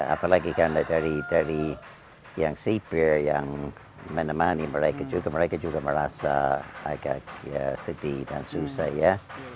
apalagi karena dari yang siber yang menemani mereka juga mereka juga merasa agak sedih dan susah ya